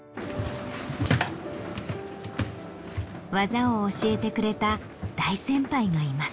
技を教えてくれた大先輩がいます。